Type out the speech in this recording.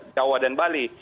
jawa dan bali